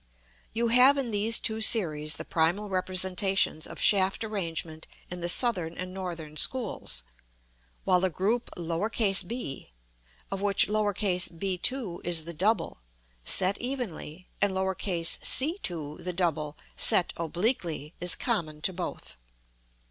] You have in these two series the primal representations of shaft arrangement in the Southern and Northern schools; while the group b, of which b2 is the double, set evenly, and c2 the double, set obliquely, is common to both.